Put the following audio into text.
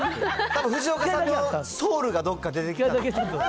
藤岡さんのソウルがどっかに出てきた。